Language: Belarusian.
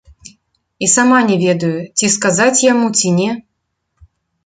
І сама не ведаю, ці сказаць яму ці не?